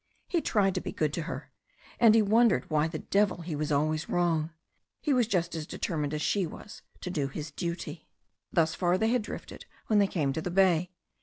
He tried to be good to her. And he wondered why the devil he was always wrong. He was just as determined as she was to do his duty. Thus far they had drifted when they came to the bay.